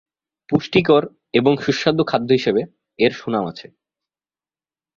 পুষ্টিকর এবং সুস্বাদু খাদ্য হিসেবে এর সুনাম আছে।